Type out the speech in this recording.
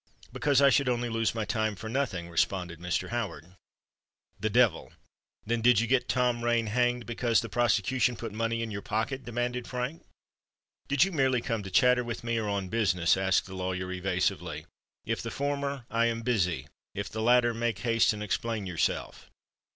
"Because I should only lose my time for nothing," responded Mr. Howard. "The devil! Then, did you get Tom Rain hanged because the prosecution put money into your pocket?" demanded Frank. "Did you merely come to chatter with me, or on business?" asked the lawyer evasively. "If the former, I am busy—if the latter, make haste and explain yourself."